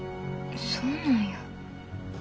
そうなんや。